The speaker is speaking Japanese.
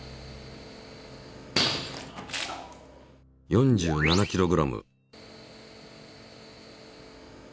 ４７ｋｇ。